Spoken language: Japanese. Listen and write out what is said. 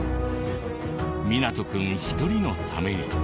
海那人君一人のために。